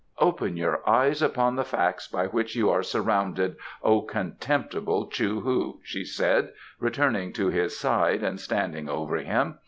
"Open your eyes upon the facts by which you are surrounded, O contemptible Chou hu," she said, returning to his side and standing over him.